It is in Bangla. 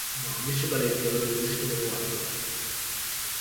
গ্রীষ্মকালে এর জলবায়ু উষ্ণ ও আর্দ্র থাকে।